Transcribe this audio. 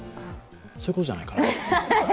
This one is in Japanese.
そういうことじゃないかな？